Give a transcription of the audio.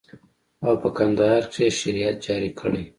او په کندهار کښې يې شريعت جاري کړى.